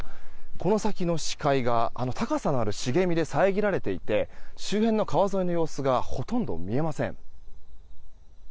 この先の視界が高さのある茂みで遮られていて周辺の川沿いの様子がほとんど見えません。